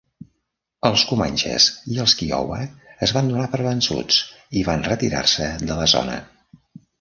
Els comanxes i els kiowa es van donar per vençuts i van retirar-se de la zona.